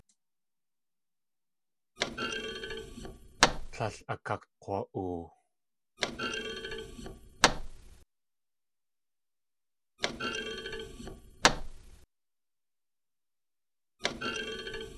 Tlél akakg̲wa.oo.